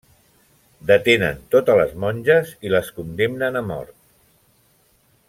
Detenen totes les monges i les condemnen mort.